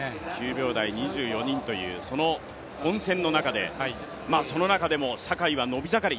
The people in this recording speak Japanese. ９秒台、２４人というその混戦の中でその中でも坂井は伸び盛り。